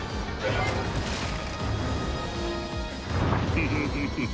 フフフフッ。